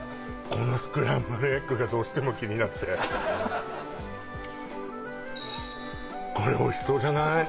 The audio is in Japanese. このスクランブルエッグがどうしても気になってこれおいしそうじゃない？